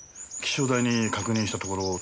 気象台に確認したところ